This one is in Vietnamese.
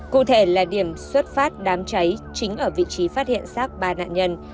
cụ thể là điểm xuất phát đám cháy chính ở vị trí phát hiện sát ba nạn nhân